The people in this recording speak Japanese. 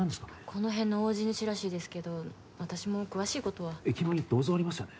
この辺の大地主らしいですけど私も詳しいことは駅前に銅像ありますよね